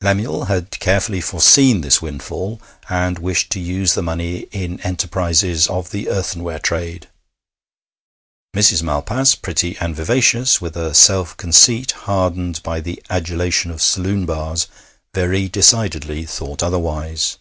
Lemuel had carefully foreseen this windfall, and wished to use the money in enterprises of the earthenware trade. Mrs. Malpas, pretty and vivacious, with a self conceit hardened by the adulation of saloon bars, very decidedly thought otherwise.